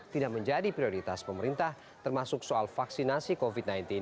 tidak menjadi prioritas pemerintah termasuk soal vaksinasi covid sembilan belas